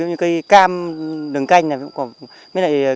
như cây cam đường canh cây vải thiều